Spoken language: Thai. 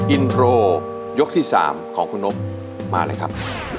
อินโทรยกที่๓ของคุณนบมาเลยครับ